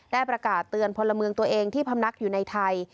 ประกาศเตือนพลเมืองตัวเองที่พำนักอยู่ในไทย